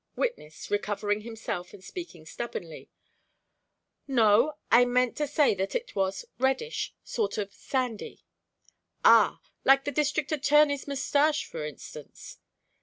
Witness, recovering himself and speaking stubbornly: "No, I meant to say that it was reddish sort of sandy" "Ah like the District Attorney's moustache, for instance?"